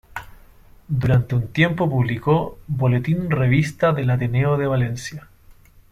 Durante un tiempo publicó "Boletín-revista del Ateneo de Valencia".